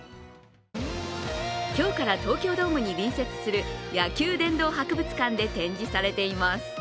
今日から東京ドームに隣接する野球殿堂博物館で展示されています。